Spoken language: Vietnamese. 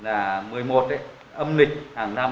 âm lịch hàng năm